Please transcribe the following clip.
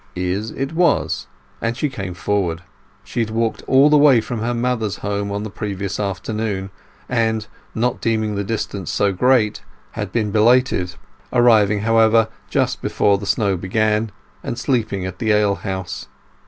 Izz it was, and she came forward. She had walked all the way from her mother's home on the previous afternoon, and, not deeming the distance so great, had been belated, arriving, however, just before the snow began, and sleeping at the alehouse.